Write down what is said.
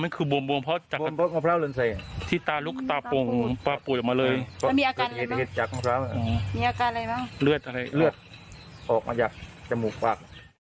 เลือดออกมาจากจมูกปาก